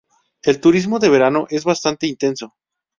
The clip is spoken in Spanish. El turismo de verano es bastante intenso.